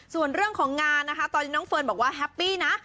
ส่วนเรื่องของงานนะคะตอนนี้น้องเฟิร์นบอกว่าแฮปปี้นะ